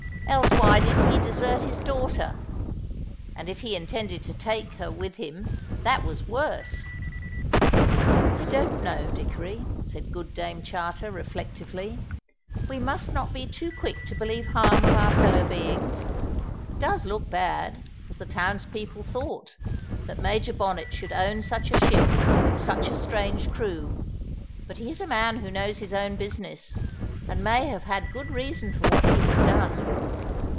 Else why did he desert his daughter? And if he intended to take her with him, that was worse." "I don't know, Dickory," said good Dame Charter reflectively; "we must not be too quick to believe harm of our fellow beings. It does look bad, as the townspeople thought, that Major Bonnet should own such a ship with such a strange crew, but he is a man who knows his own business, and may have had good reason for what he has done.